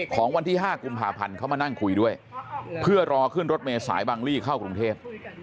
วันที่๕กุมภาพันธ์เขามานั่งคุยด้วยเพื่อรอขึ้นรถเมษายบังลี่เข้ากรุงเทพ